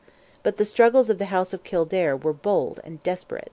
But the struggles of the house of Kildare were bold and desperate.